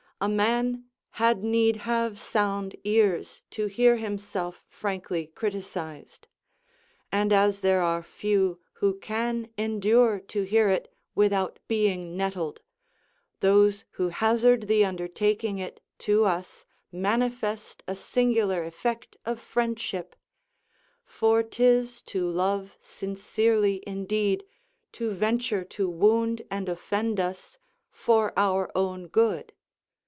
A man had need have sound ears to hear himself frankly criticised; and as there are few who can endure to hear it without being nettled, those who hazard the undertaking it to us manifest a singular effect of friendship; for 'tis to love sincerely indeed, to venture to wound and offend us, for our own good.